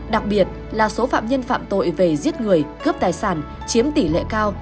đặc biệt là số phạm nhân phạm tội về giết người cướp tài sản chiếm tỷ lệ cao